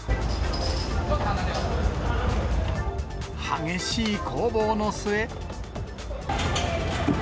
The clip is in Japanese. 激しい攻防の末。